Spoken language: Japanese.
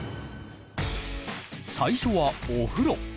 最初はお風呂。